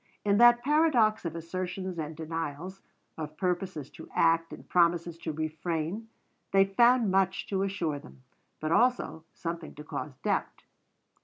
In that paradox of assertions and denials, of purposes to act and promises to refrain, they found much to assure them, but also something to cause doubt.